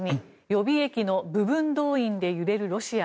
予備役の部分動員で揺れるロシア。